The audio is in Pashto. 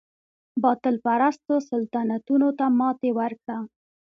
باطل پرستو سلطنتونو ته ماتې ورکړه.